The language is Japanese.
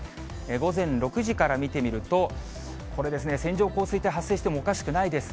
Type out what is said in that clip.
午前６時から見てみると、これですね、線状降水帯発生してもおかしくないです。